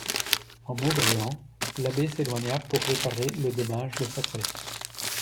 En maugréant, l'abbé s'éloigna pour réparer le dommage de sa toilette.